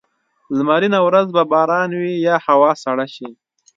لمرینه ورځ به باران وي یا هوا سړه شي.